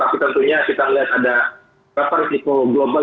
tapi tentunya kita melihat ada referensi ke global